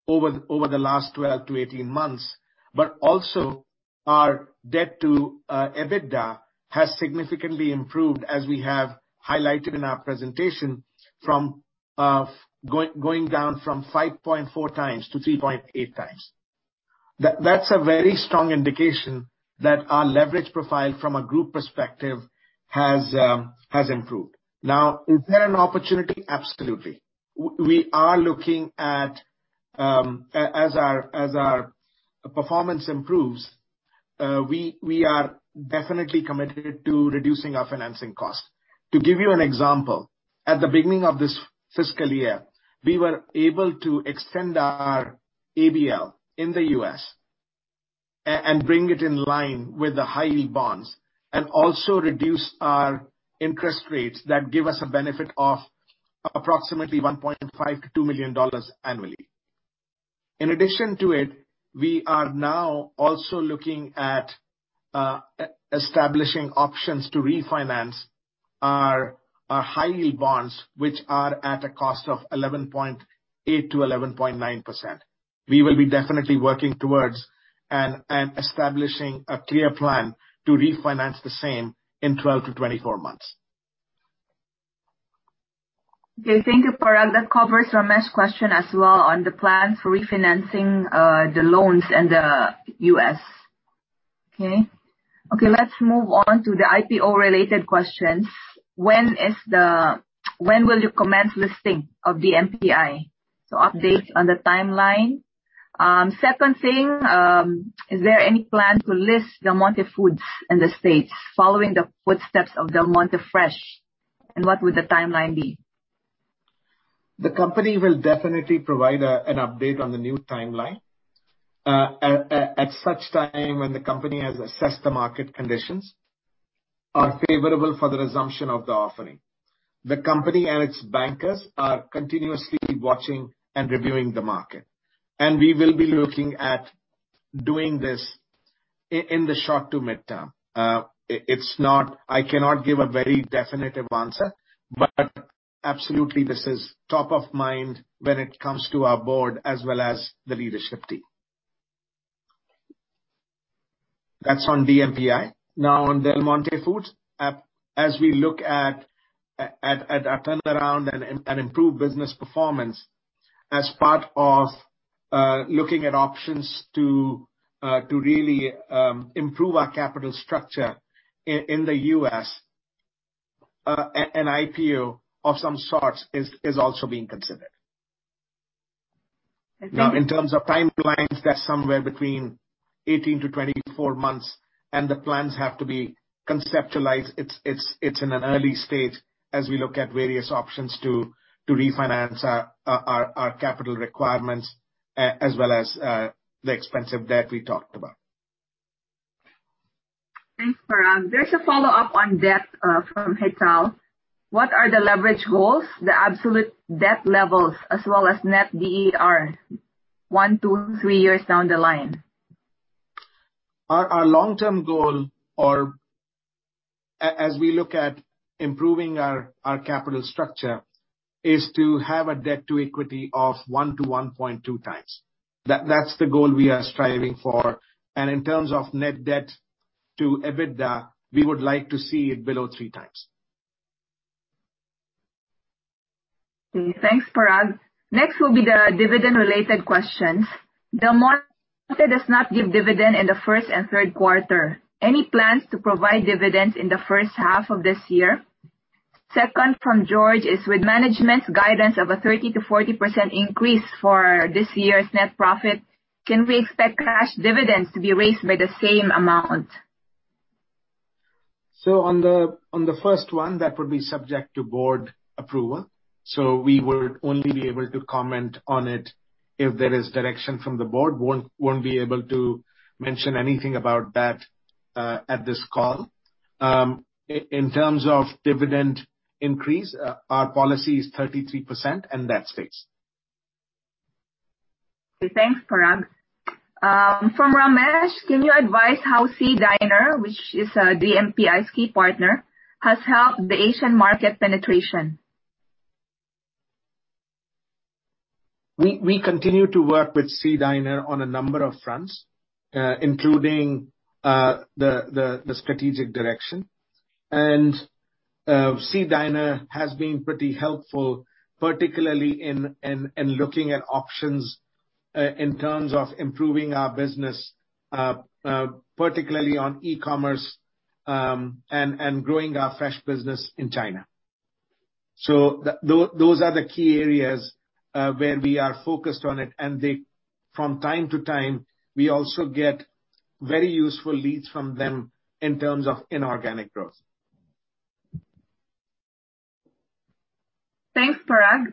over the last 12-18 months, but also our debt to EBITDA has significantly improved, as we have highlighted in our presentation, from going down from 5.4 times-3.8 times. That's a very strong indication that our leverage profile from a group perspective has improved. Is there an opportunity? Absolutely. We are looking at, as our performance improves, we are definitely committed to reducing our financing costs. To give you an example, at the beginning of this fiscal year, we were able to extend our ABL in the U.S. and bring it in line with the high-yield bonds and also reduce our interest rates that give us a benefit of approximately $1.5 million-$2 million annually. In addition to it, we are now also looking at establishing options to refinance our high-yield bonds, which are at a cost of 11.8%-11.9%. We will be definitely working towards and establishing a clear plan to refinance the same in 12-24 months. Thank you, Parag. That covers Ramesh question as well on the plan for refinancing the loans in the U.S. Let's move on to the IPO-related questions. When will you commence listing of DMPI? Update on the timeline. Second thing, is there any plan to list Del Monte Foods in the U.S. following the footsteps of Del Monte Fresh, and what would the timeline be? The company will definitely provide an update on the new timeline. At such time when the company has assessed the market conditions are favorable for the resumption of the offering. The company and its bankers are continuously watching and reviewing the market, and we will be looking at doing this in the short to mid-term. I cannot give a very definitive answer, but absolutely this is top of mind when it comes to our board as well as the leadership team. That's on DMPI. Now on Del Monte Foods, as we look at a turnaround and improved business performance as part of looking at options to really improve our capital structure in the U.S., an IPO of some sort is also being considered. Okay. In terms of timelines, that's somewhere between 18-24 months, and the plans have to be conceptualized. It's in an early stage as we look at various options to refinance our capital requirements as well as the expensive debt we talked about. Thanks, Parag. There's a follow-up on debt from Hetal. What are the leverage goals, the absolute debt levels as well as net DER one, two, three years down the line? Our long-term goal, or as we look at improving our capital structure, is to have a debt to equity of 1-1.2 times. That's the goal we are striving for. In terms of net debt to EBITDA, we would like to see it below 3 times. Okay. Thanks, Parag. Next will be the dividend-related questions. Del Monte does not give dividend in the first and third quarter. Any plans to provide dividends in the first half of this year? Second from George is, with management's guidance of a 30%-40% increase for this year's net profit, can we expect cash dividends to be raised by the same amount? On the first one, that would be subject to Board approval. We would only be able to comment on it if there is direction from the Board. Won't be able to mention anything about that at this call. In terms of dividend increase, our policy is 33%, and that stays. Okay. Thanks, Parag. From Ramesh, can you advise how SEA Diner Holdings, which is DMPI's key partner, has helped the Asian market penetration? We continue to work with SEA Diner Holdings on a number of fronts, including the strategic direction. SEA Diner Holdings has been pretty helpful, particularly in looking at options in terms of improving our business, particularly on e-commerce, and growing our fresh business in China. Those are the key areas where we are focused on it, and from time to time, we also get very useful leads from them in terms of inorganic growth. Thanks, Parag.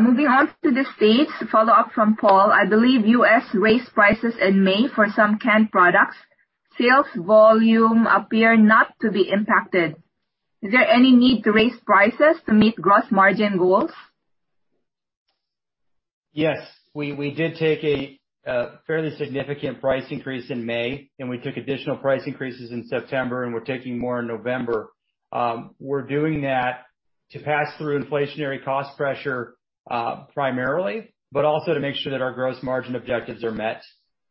Moving on to the States, follow-up from Paul. I believe U.S. raised prices in May for some canned products. Sales volume appear not to be impacted. Is there any need to raise prices to meet gross margin goals? Yes. We did take a fairly significant price increase in May, and we took additional price increases in September, and we're taking more in November. We're doing that to pass through inflationary cost pressure, primarily, but also to make sure that our gross margin objectives are met.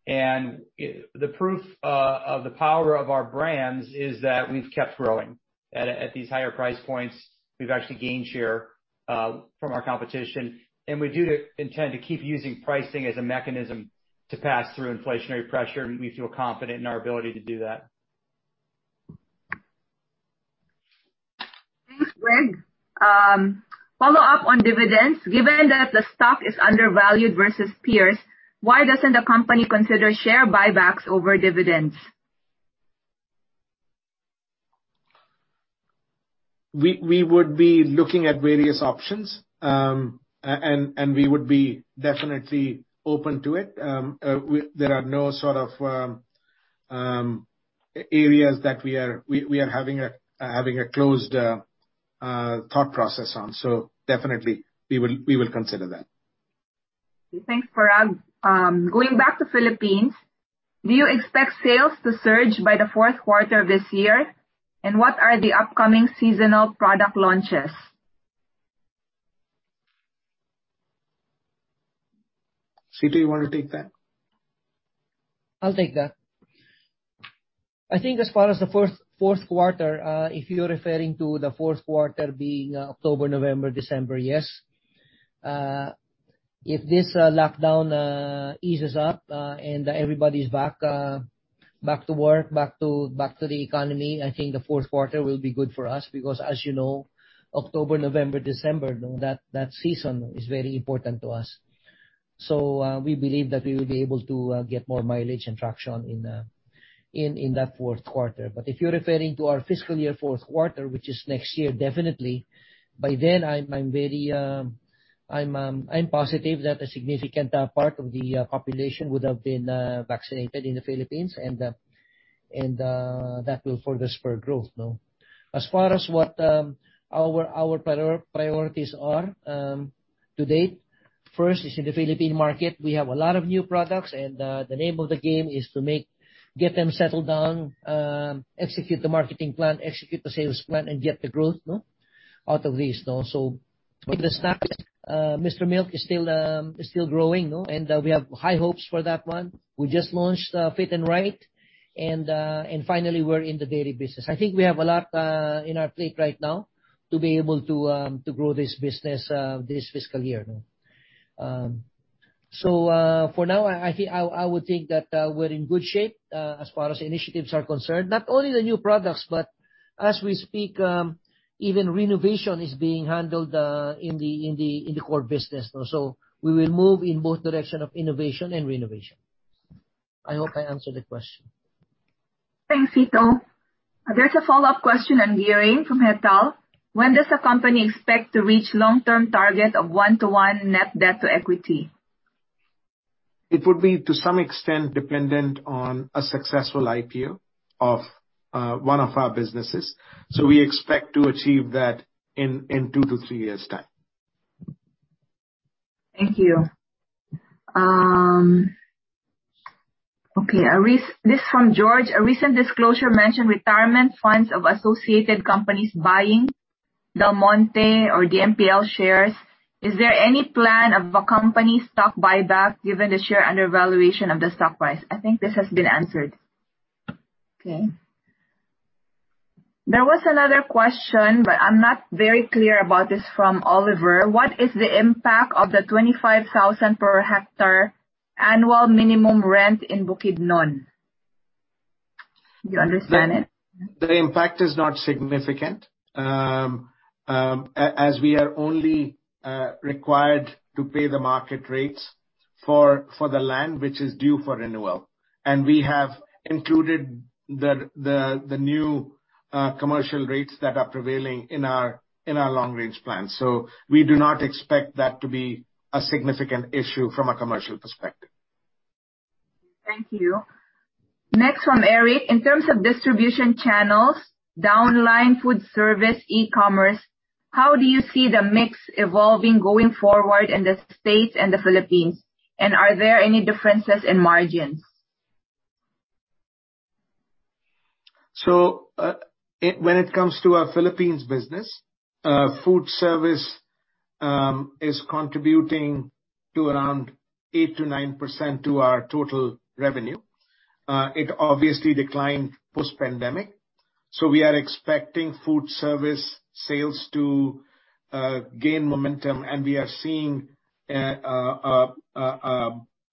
The proof of the power of our brands is that we've kept growing at these higher price points. We've actually gained share from our competition, and we do intend to keep using pricing as a mechanism to pass through inflationary pressure, and we feel confident in our ability to do that. Thanks, Greg. Follow-up on dividends. Given that the stock is undervalued versus peers, why doesn't the company consider share buybacks over dividends? We would be looking at various options, and we would be definitely open to it. There are no sort of areas that we are having a closed thought process on. Definitely, we will consider that. Thanks, Parag. Going back to Philippines, do you expect sales to surge by the fourth quarter of this year? What are the upcoming seasonal product launches? Cito, you want to take that? I'll take that. I think as far as the fourth quarter, if you're referring to the fourth quarter being October, November, December, yes. If this lockdown eases up and everybody's back to work, back to the economy, I think the fourth quarter will be good for us because as you know, October, November, December, that season is very important to us. We believe that we will be able to get more mileage and traction in that fourth quarter. If you're referring to our fiscal year fourth quarter, which is next year, definitely. By then, I'm positive that a significant part of the population would have been vaccinated in the Philippines, and that will further spur growth. As far as what our priorities are to date, first is in the Philippine market, we have a lot of new products, and the name of the game is to get them settled down, execute the marketing plan, execute the sales plan, and get the growth out of this. With the snacks, Mr. Milk is still growing, and we have high hopes for that one. We just launched Fit 'n Right, and finally, we're in the dairy business. I think we have a lot in our plate right now to be able to grow this business this fiscal year. For now, I would think that we're in good shape as far as initiatives are concerned. Not only the new products, but as we speak, even renovation is being handled in the core business. We will move in both direction of innovation and renovation. I hope I answered the question. Thanks, Cito. There's a follow-up question on gearing from Hetal. When does the company expect to reach long-term target of one-to-one net debt to equity? It would be, to some extent, dependent on a successful IPO of one of our businesses. We expect to achieve that in 2-3 years' time. Thank you. Okay, this from George. A recent disclosure mentioned retirement funds of associated companies buying Del Monte or the DMPL shares. Is there any plan of a company stock buyback given the share undervaluation of the stock price? I think this has been answered. Okay. There was another question, but I'm not very clear about this, from Oliver. What is the impact of the $25,000 per hectare annual minimum rent in Bukidnon? Do you understand it? The impact is not significant, as we are only required to pay the market rates for the land which is due for renewal. We have included the new commercial rates that are prevailing in our long-range plan. We do not expect that to be a significant issue from a commercial perspective. Thank you. Next from Eric. In terms of distribution channels, downline food service, e-commerce, how do you see the mix evolving going forward in the U.S. and the Philippines? Are there any differences in margins? When it comes to our Philippines business, food service is contributing to around 8%-9% to our total revenue. It obviously declined post-pandemic. We are expecting food service sales to gain momentum, and we are seeing a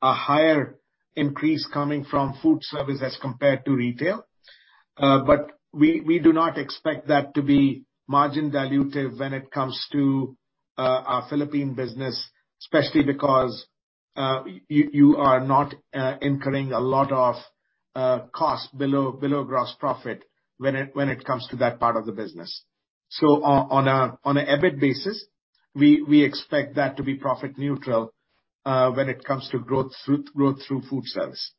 higher increase coming from food service as compared to retail. We do not expect that to be margin dilutive when it comes to our Philippine business, especially because you are not incurring a lot of cost below gross profit when it comes to that part of the business. On a EBIT basis, we expect that to be profit neutral when it comes to growth through food service.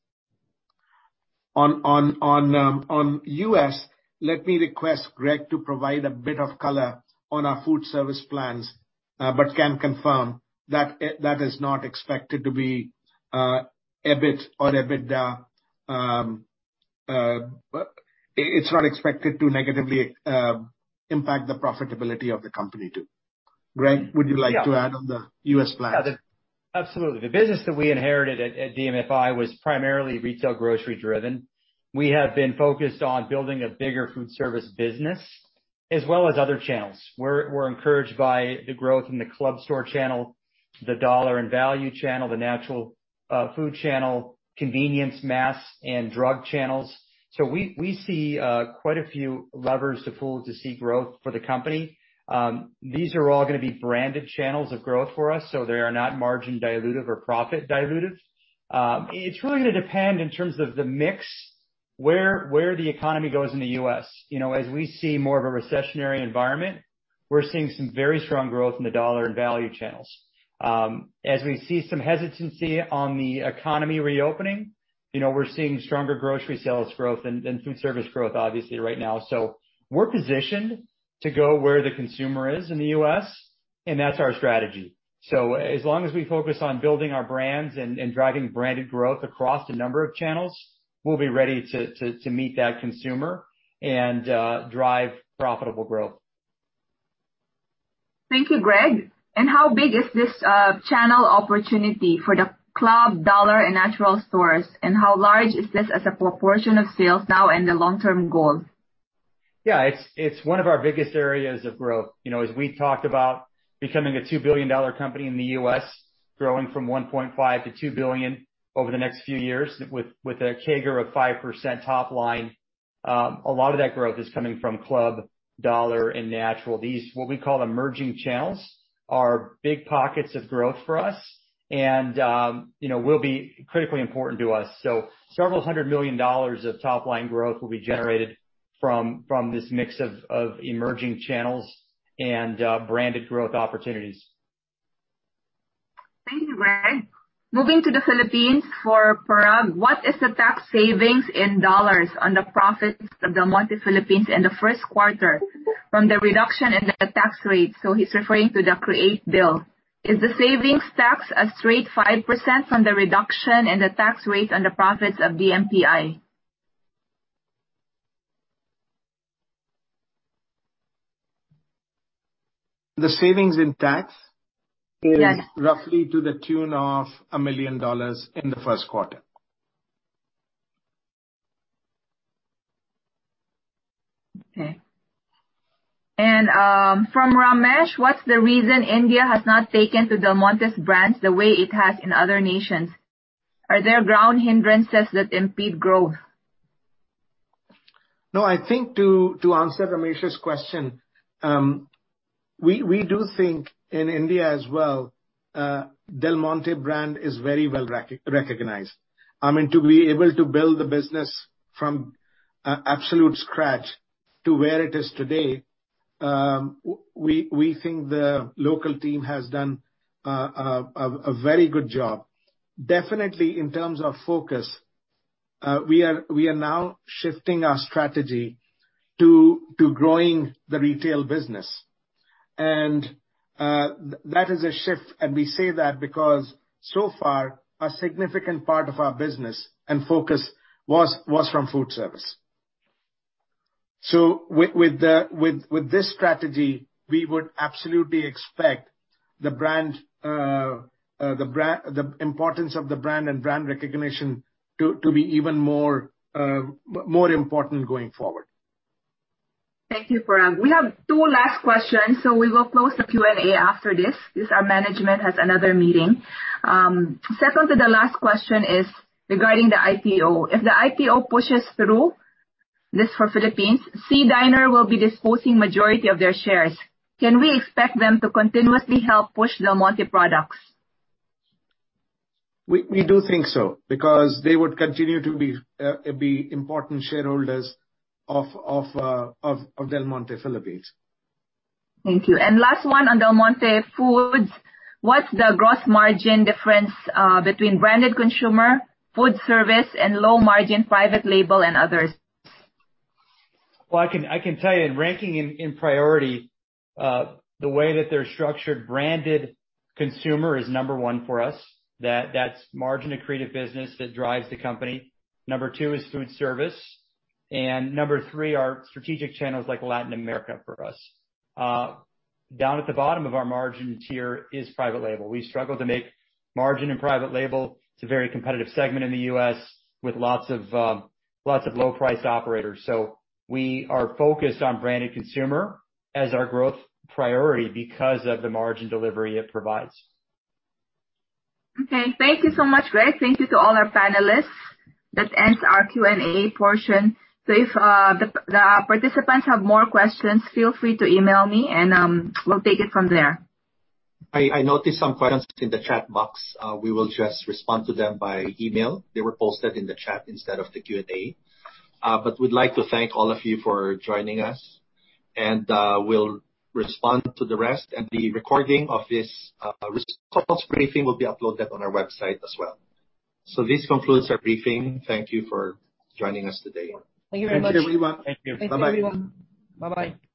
On U.S., let me request Greg to provide a bit of color on our food service plans, but can confirm that is not expected to be EBIT or EBITDA. It's not expected to negatively impact the profitability of the company too. Greg, would you like to add on the U.S. plans? Absolutely. The business that we inherited at DMFI was primarily retail grocery driven. We have been focused on building a bigger food service business, as well as other channels. We're encouraged by the growth in the club store channel, the dollar and value channel, the natural food channel, convenience, mass, and drug channels. We see quite a few levers to pull to see growth for the company. These are all going to be branded channels of growth for us, so they are not margin dilutive or profit dilutive. It's really going to depend in terms of the mix, where the economy goes in the U.S. As we see more of a recessionary environment, we're seeing some very strong growth in the dollar and value channels. As we see some hesitancy on the economy reopening, we're seeing stronger grocery sales growth than food service growth obviously right now. We're positioned to go where the consumer is in the U.S., and that's our strategy. As long as we focus on building our brands and driving branded growth across a number of channels, we'll be ready to meet that consumer and drive profitable growth. Thank you, Greg. How big is this channel opportunity for the club dollar and natural stores, and how large is this as a proportion of sales now and the long-term goal? It's one of our biggest areas of growth. As we talked about becoming a $2 billion company in the U.S., growing from $1.5 billion-$2 billion over the next few years with a CAGR of 5% top line, a lot of that growth is coming from club, dollar, and natural. These, what we call emerging channels, are big pockets of growth for us and will be critically important to us. So several hundred million dollars of top-line growth will be generated from this mix of emerging channels and branded growth opportunities. Thank you, Greg. Moving to the Philippines for Parag. What is the tax savings in USD on the profits of Del Monte Philippines, Inc. in the first quarter from the reduction in the tax rate? He's referring to the Corporate Recovery and Tax Incentives for Enterprises Act bill. Is the savings tax a straight 5% on the reduction in the tax rate on the profits of DMPI? The savings in tax- Yes. Is roughly to the tune of $1 million in the first quarter. Okay. From Ramesh: What's the reason India has not taken to Del Monte's brands the way it has in other nations? Are there ground hindrances that impede growth? No. I think to answer Ramesh's question, we do think in India as well, Del Monte brand is very well recognized. To be able to build the business from absolute scratch to where it is today, we think the local team has done a very good job. Definitely, in terms of focus, we are now shifting our strategy to growing the retail business. That is a shift, and we say that because so far, a significant part of our business and focus was from food service. With this strategy, we would absolutely expect the importance of the brand and brand recognition to be even more important going forward. Thank you, Parag Sachdeva. We have two last questions, so we will close the Q&A after this, since our management has another meeting. Second to the last question is regarding the IPO. If the IPO pushes through, this for Philippines, SEA Diner Holdings will be disposing majority of their shares. Can we expect them to continuously help push Del Monte products? We do think so. Because they would continue to be important shareholders of Del Monte Philippines. Thank you. Last one on Del Monte Foods. What's the gross margin difference between branded consumer, food service, and low-margin private label and others? Well, I can tell you, in ranking in priority, the way that they're structured, branded consumer is number 1 for us. That's margin accretive business that drives the company. Number 2 is food service. Number 3 are strategic channels like Latin America for us. Down at the bottom of our margin tier is private label. We struggle to make margin in private label. It's a very competitive segment in the U.S. with lots of low-price operators. We are focused on branded consumer as our growth priority because of the margin delivery it provides. Okay. Thank you so much, Greg. Thank you to all our panelists. That ends our Q&A portion. If the participants have more questions, feel free to email me and we'll take it from there. I noticed some questions in the chat box. We will just respond to them by email. They were posted in the chat instead of the Q&A. We'd like to thank all of you for joining us, and we'll respond to the rest. The recording of this results briefing will be uploaded on our website as well. This concludes our briefing. Thank you for joining us today. Thank you very much. Thank you, everyone. Thank you. Bye-bye. Thank you, everyone. Bye-bye.